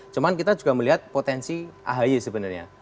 cuma kita juga melihat potensi ahy sebenarnya